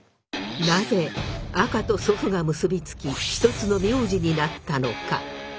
なぜ赤と祖父が結び付き一つの名字になったのか？